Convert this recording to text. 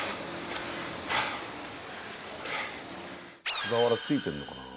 小田原着いてんのかな。